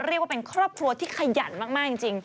เรียกว่าเป็นครอบครัวที่ขยันมากจริง